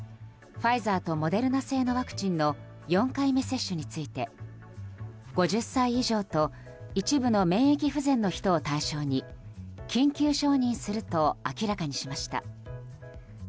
ファイザーとモデルナ製のワクチンの４回目接種について５０歳以上と一部の免疫不全の人を対象に緊急承認すると明らかにしました。